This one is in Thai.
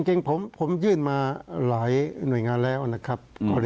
จริงผมยื่นมาหลายหน่วยงานแล้วนะครับ